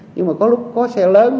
nhưng mà có lúc có xe lớn